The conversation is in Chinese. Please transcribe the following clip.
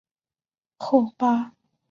后八卷由其孙陈克家续成。